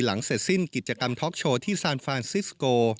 หลังเสร็จสิ้นกิจกรรมท็อกโชว์ที่ซานฟานซิสโก